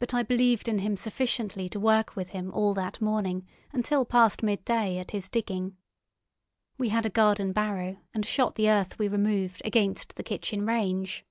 But I believed in him sufficiently to work with him all that morning until past midday at his digging. We had a garden barrow and shot the earth we removed against the kitchen range.